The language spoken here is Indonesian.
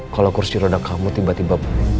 kalau kursi roda kamu tiba tiba